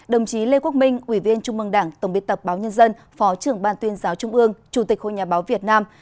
đồng chí lê quốc minh ủy viên trung mương đảng tổng biên tập báo nhân dân phó trưởng ban tuyên giáo trung ương chủ tịch hội nhà báo việt nam